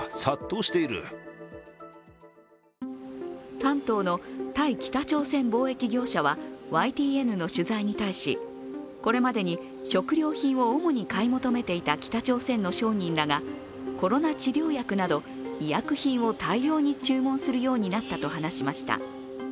丹東の対北朝鮮貿易業者はＹＴＮの取材に対しこれまでに食料品を主に買い求めていた北朝鮮の商人らがコロナ治療薬など医薬品を大量に注文するようになったと話しました。